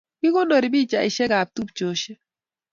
Kikonorii pichaishek ab tupcheshek